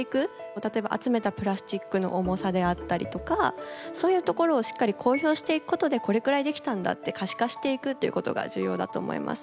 例えば集めたプラスチックの重さであったりとかそういうところをしっかり公表していくことでこれくらいできたんだって可視化していくっていうことが重要だと思います。